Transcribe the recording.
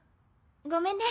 ごめんね